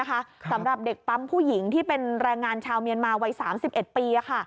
สำหรับเด็กปั๊มผู้หญิงที่เป็นแรงงานชาวเมียนมาวัย๓๑ปี